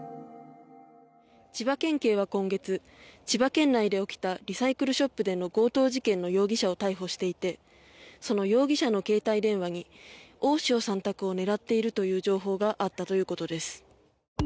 千葉県警は今月千葉県内で起きたリサイクルショップでの強盗事件の容疑者を逮捕していてその容疑者の携帯電話に大塩さん宅を狙っているという情報があったということです。